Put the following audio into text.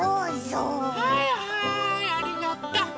はいはいありがとう！